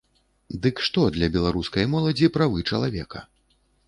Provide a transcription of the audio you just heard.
Дык што для беларускай моладзі правы чалавека?